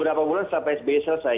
beberapa bulan sampai sbe selesai